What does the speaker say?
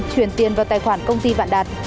truyền tiền vào tài khoản công ty vạn đạt